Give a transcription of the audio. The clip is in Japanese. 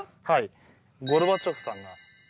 はいゴルバチョフさんが。